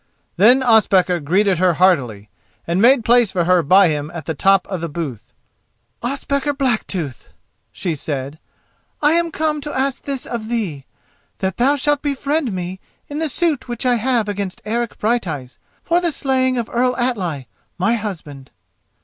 Then Ospakar greeted her heartily, and made place for her by him at the top of the booth. "Ospakar Blacktooth," she said, "I am come to ask this of thee: that thou shalt befriend me in the suit which I have against Eric Brighteyes for the slaying of Earl Atli, my husband."